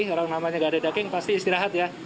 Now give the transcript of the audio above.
kalau namanya gak ada daging pasti istirahat ya